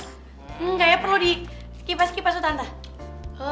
hmm kayaknya perlu dikipas kipas tuh tante